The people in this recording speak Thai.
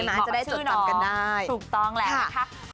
จะได้จดจำกันได้ถูกต้องแล้วนะคะ